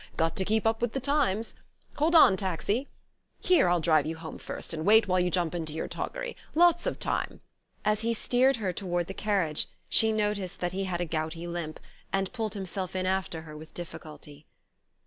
Got to keep up with the times! Hold on, taxi! Here I'll drive you home first, and wait while you jump into your toggery. Lots of time." As he steered her toward the carriage she noticed that he had a gouty limp, and pulled himself in after her with difficulty.